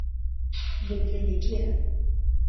de que le quiera.